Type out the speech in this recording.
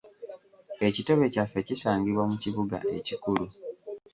Ekitebe kyaffe kisangibwa mu kibuga ekikulu.